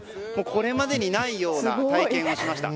これまでにないような体験をしました。